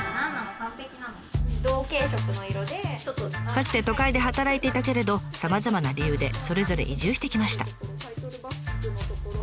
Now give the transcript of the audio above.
かつて都会で働いていたけれどさまざまな理由でそれぞれ移住してきました。